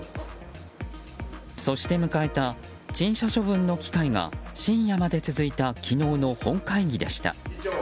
そして迎えた陳謝処分の機会が深夜まで続いた昨日の本会議でした。